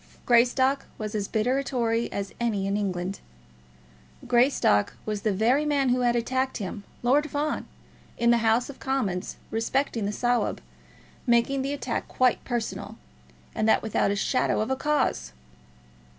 Greystock was as bitter a Tory as any in England. Greystock was the very man who had attacked him, Lord Fawn, in the House of Commons respecting the Sawab, making the attack quite personal, and that without a shadow of a cause!